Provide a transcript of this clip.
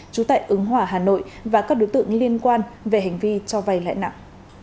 trú tại ứng hòa hà nội và các đối tượng liên quan về hành vi cho vay lãi nặng